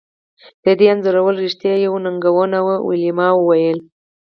د دې انځورول رښتیا یوه ننګونه وه ویلما وویل